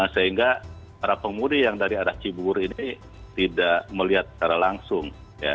sehingga para pemudi yang dari arah cibubur ini tidak melihat secara langsung